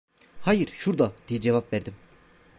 "Hayır, şurada!" diye cevap verdim.